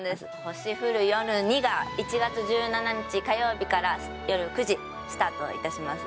『星降る夜に』が１月１７日、火曜日からよる９時、スタートいたします。